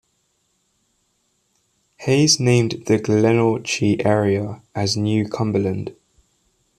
Hayes named the Glenorchy area as New Cumberland.